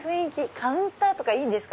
カウンターいいですか？